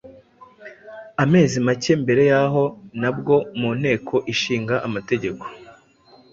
Amezi macye mbere yaho, nabwo mu nteko ishinga amategeko